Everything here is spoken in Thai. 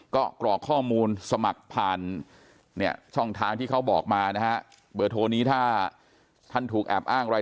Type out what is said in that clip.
ก็กรอกข้อมูลสมัครผ่านเนี่ยช่องทางที่เขาบอกมานะฮะเบอร์โทรนี้ถ้าท่านถูกแอบอ้างอะไร